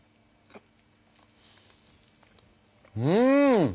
うん！